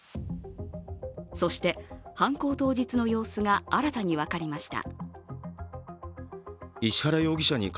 そして、犯行当日の様子が新たに分かりました。